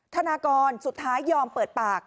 ธนากรสุดท้ายยอมเปิดปาก